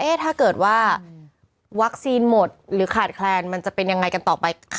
ถ้าเกิดว่าวัคซีนหมดหรือขาดแคลนมันจะเป็นยังไงกันต่อไป